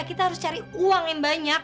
kita harus cari uang yang banyak